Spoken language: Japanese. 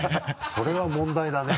それは問題だね。